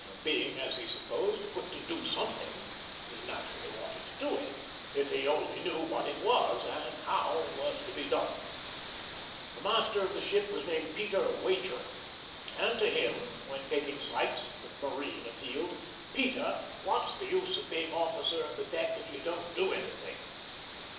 Being, as he supposed, put to do something, he naturally wanted to do it, if he only knew what it was, and how it was to be done. The master of the ship was named Peter Wager, and to him, when taking sights, the marine appealed. "Peter, what's the use of being officer of the deck if you don't do anything?